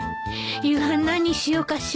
夕飯何にしようかしら。